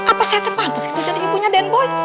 apa saya terpantes gitu jadi ibunya den boy